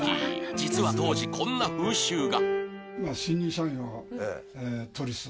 実は当時こんな風習が